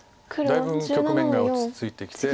だいぶん局面が落ち着いてきて。